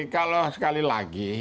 kalau sekali lagi